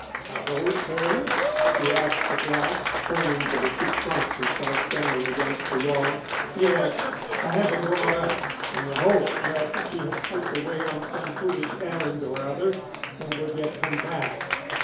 "Are those hers?" he asked at last, pointing to the two trunks he saw standing against the wall. "Yes. I had them brought up, in the hope that she had slipped away on some foolish errand or other and would yet come back."